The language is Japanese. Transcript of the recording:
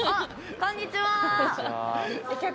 こんにちは。